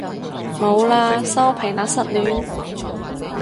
冇喇收皮喇失戀